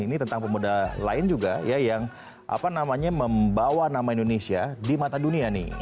ini tentang pemuda lain juga ya yang membawa nama indonesia di mata dunia nih